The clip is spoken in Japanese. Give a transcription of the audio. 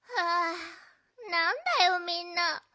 あなんだよみんな。